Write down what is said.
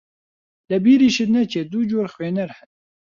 لە بیریشت نەچێت دوو جۆر خوێنەر هەن